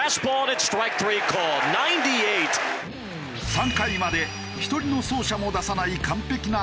３回まで１人の走者も出さない完璧な投球。